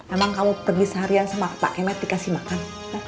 emang kamu pergi seharian sama pak kemet dikasih makan